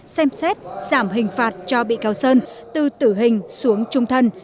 xem xét giảm hình phạt cho bị cáo sơn từ tử hình xuống trung thân